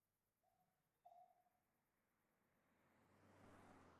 لرګي د کورونو، فرنیچر، او کښتۍ جوړولو کې کارېږي.